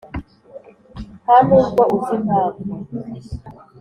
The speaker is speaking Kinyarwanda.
nta nubwo uzi impamvu,